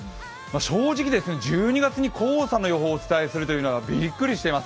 正直１２月に、黄砂の予報をお伝えするというのはびっくりしています。